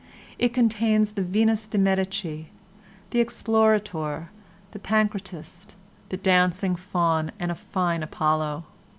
It contains the Venus de' Medici, the Explorator, the Pancratist, the Dancing Faun and a fine Apollo.